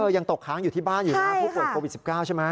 ยังตกค้างอยู่ที่บ้านอยู่นะผู้ป่วยโควิด๑๙ใช่ไหม